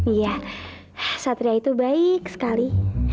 iya satria itu baik sekali